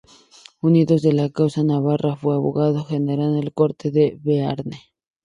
Unido a la causa navarra, fue abogado general en la corte de Bearne.